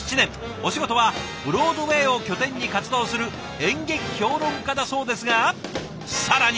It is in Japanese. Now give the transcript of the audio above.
お仕事はブロードウェイを拠点に活動する演劇評論家だそうですが更に。